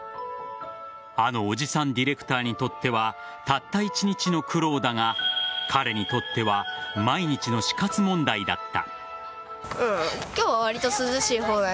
あのおじさんディレクターにとってはたった１日の苦労だが彼にとっては毎日の死活問題だった。